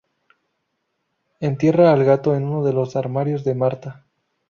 Entierra al gato en uno de los armarios de Martha.